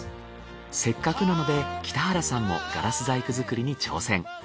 せっかくなので北原さんもガラス細工作りに挑戦。